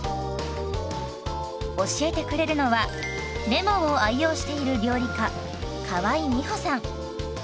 教えてくれるのはレモンを愛用している料理家河井美歩さん。